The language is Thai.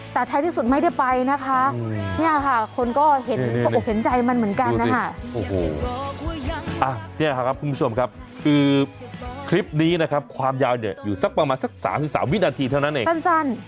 แต่ท้ายที่สุดไม่ได้ไปนะคะเนี่ยค่ะคนก็เห็นก็อกเห็นใจมันเหมือนกันนะคะโอ้โหเนี่ยครับคุณผู้ชมครับคือคลิปนี้นะครับความยาวเนี่ยอยู่สักประมาณสัก๓๓วินาทีเท่านั้นเองสั้น